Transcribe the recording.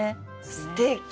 すてき！